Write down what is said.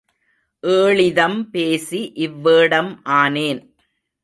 ஏளிதம் பேசி இவ்வேடம் ஆனேன்.